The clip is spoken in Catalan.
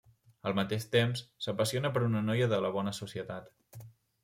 Al mateix temps, s'apassiona per una noia de la bona societat.